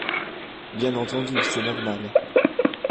Bien entendu, c’est normal.